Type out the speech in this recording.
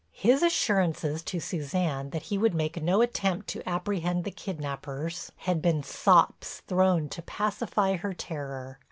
His assurances to Suzanne that he would make no attempt to apprehend the kidnapers had been sops thrown to pacify her terror.